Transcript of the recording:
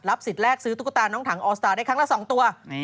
สิทธิ์แรกซื้อตุ๊กตาน้องถังออสตาร์ได้ครั้งละ๒ตัว